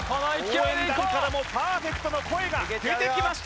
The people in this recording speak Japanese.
応援団からもパーフェクトの声が出てきました